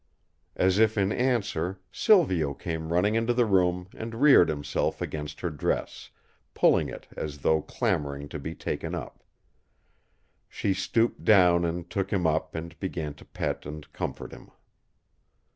As if in answer, Silvio came running into the room and reared himself against her dress, pulling it as though clamouring to be taken up. She stooped down and took him up and began to pet and comfort him.